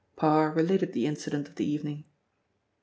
Parr related the incident of the evening.